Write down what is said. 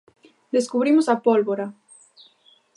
¡Descubrimos a pólvora!